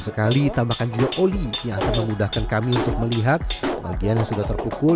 sekali tambahkan juga oli yang akan memudahkan kami untuk melihat bagian yang sudah terpukul